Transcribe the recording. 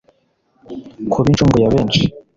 kuba incungu ya benshi